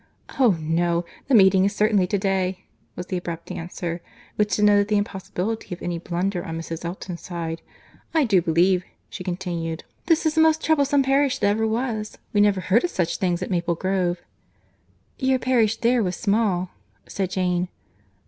"Oh! no, the meeting is certainly to day," was the abrupt answer, which denoted the impossibility of any blunder on Mrs. Elton's side.—"I do believe," she continued, "this is the most troublesome parish that ever was. We never heard of such things at Maple Grove." "Your parish there was small," said Jane.